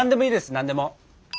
何でも！